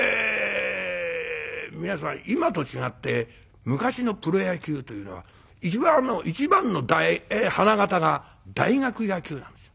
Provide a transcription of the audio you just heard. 皆さん今と違って昔のプロ野球というのは一番の花形が大学野球なんですよ。